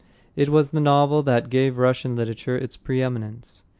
It was the novel that gave Russian literature its pre eminence.